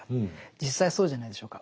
実際そうじゃないでしょうか。